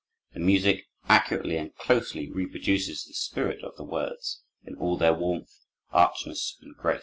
The music accurately and closely reproduces the spirit of the words, in all their warmth, archness, and grace.